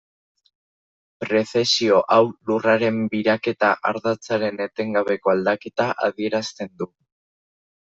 Prezesio hau Lurraren biraketa ardatzaren etengabeko aldaketa adierazten du.